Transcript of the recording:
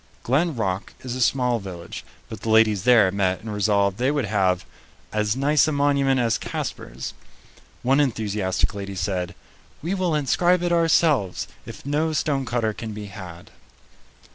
Glen Rock is a small village, but the ladies there met and resolved they would have "as nice a monument as Casper's." One enthusiastic lady said, "We will inscribe it ourselves, if no stonecutter can be had."